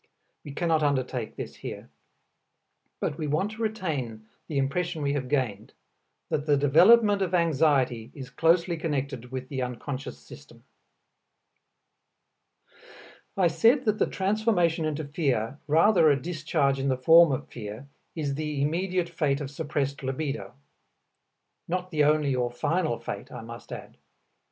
We cannot undertake this here. But we want to retain the impression we have gained, that the development of anxiety is closely connected with the unconscious system. I said that the transformation into fear, rather a discharge in the form of fear, is the immediate fate of suppressed libido. Not the only or final fate, I must add.